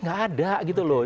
nggak ada gitu loh